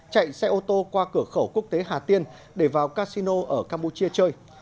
chạy xe ô tô qua cửa khẩu quốc tế hà tiên để vào casino ở campuchia chơi